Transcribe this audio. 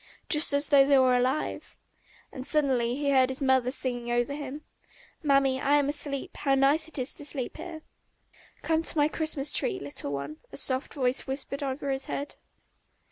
"Just as though they were alive!..." And suddenly he heard his mother singing over him. "Mammy, I am asleep; how nice it is to sleep here!" "Come to my Christmas tree, little one," a soft voice suddenly whispered over his head.